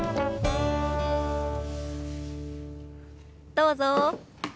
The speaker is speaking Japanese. どうぞ。